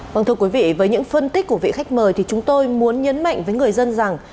vâng thưa quý vị với những phân tích của vị khách mời thì chúng tôi muốn nhấn mạnh với người dân rằng